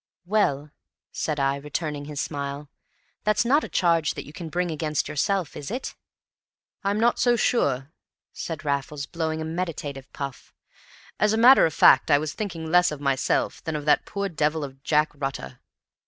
"Well," said I, returning his smile, "that's not a charge that you can bring against yourself, is it?" "I'm not so sure," said Raffles, blowing a meditative puff; "as a matter of fact, I was thinking less of myself than of that poor devil of a Jack Rutter.